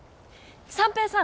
三平さん！